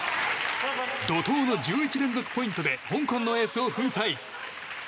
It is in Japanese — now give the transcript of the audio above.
怒涛の１１連続ポイントで香港のエースを粉砕。